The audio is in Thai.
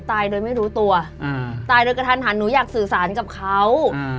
ตายโดยไม่รู้ตัวอ่าตายโดยกระทันหันหนูอยากสื่อสารกับเขา